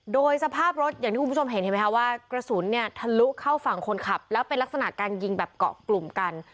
โดยสภาพรถอย่างที่คุณผู้ชมเห็นเห็นไหมคะว่ากระสุนเนี่ยทะลุเข้าฝั่งคนขับแล้วเป็นลักษณะการยิงแบบเกาะกลุ่มกัน